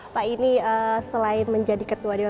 pak ini selain menjadi ketua dewan